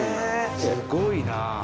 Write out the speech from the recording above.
すごいなぁ。